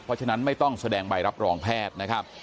เพราะฉะนั้นไม่ต้องแสดงใบรับรองแพทย์นะครับ